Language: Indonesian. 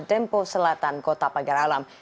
dempo selatan kota pagar alam